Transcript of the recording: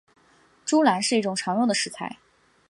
猪腩是一种常用的食材。